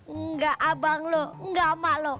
enggak abang lu enggak emak lu